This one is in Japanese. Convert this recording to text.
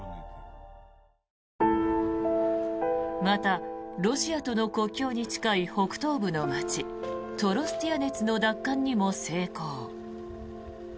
また、ロシアとの国境に近い北東部の街トロスティアネツの奪還にも成功。